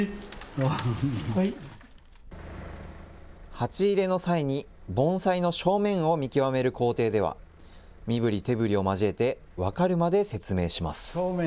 鉢入れの際に、盆栽の正面を見極める工程では、身ぶり手ぶりを交えて、分かるまで説明します。